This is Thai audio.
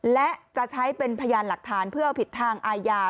และจะใช้เป็นพยานหลักฐานเพื่อเอาผิดทางอาญา